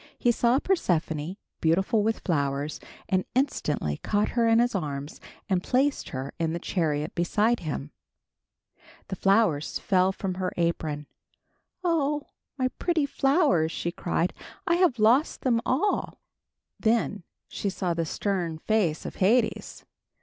He saw Persephone, beautiful with flowers, and instantly caught her in his arms and placed her in the chariot beside him. The flowers fell from her apron. "Oh! my pretty flowers," she cried, "I have lost them all." Then she saw the stern face of Hades.